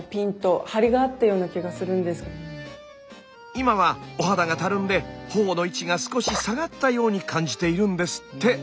今はお肌がたるんで頬の位置が少し下がったように感じているんですって。